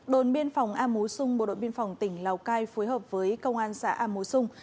đồn biên phòng a mú xung bộ đội biên phòng tỉnh lào cai phối hợp với công an xã a mú xung